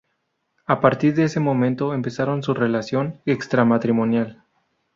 A partir de ese momento empezaron su relación extramatrimonial.